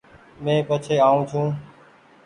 مينٚ پڇي آئو ڇوٚنٚ